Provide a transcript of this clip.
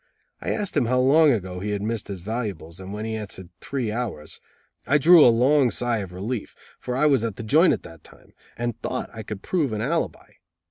I asked him how long ago he had missed his valuables, and when he answered, "Three hours," I drew a long sigh of relief, for I was at the joint at that time, and thought I could prove an alibi.